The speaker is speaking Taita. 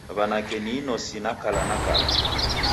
W'anake ni inose na kala na kala .